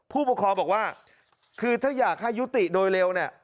ผู้ปกครองบอกว่าคือถ้าอยากให้ยุติโดยเร็วเนี่ย